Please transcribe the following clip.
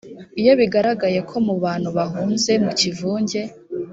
iyo bigaragaye ko mu bantu bahunze mu kivunge